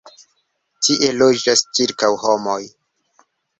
Tie loĝas ĉirkaŭ homoj.